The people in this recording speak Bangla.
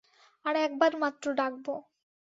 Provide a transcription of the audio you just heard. আর এক বার মাত্র ডাকব।